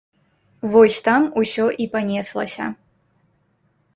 Вось там усё і панеслася.